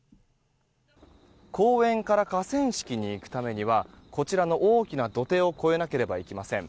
公園から河川敷に行くためにはこちらの大きな土手を越えなければいけません。